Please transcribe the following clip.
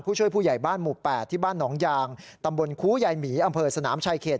ช่วยผู้ใหญ่บ้านหมู่๘ที่บ้านหนองยางตำบลคูยายหมีอำเภอสนามชายเขต